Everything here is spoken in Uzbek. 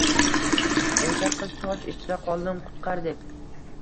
O’sha qiz: «Tosh ichra qoldim, qutqar», deb